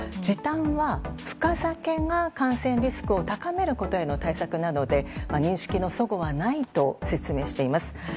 時短は、深酒が感染リスクを避けることへの対策なので認識の齟齬はないと説明しています。